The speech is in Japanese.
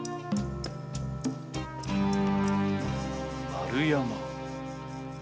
丸山。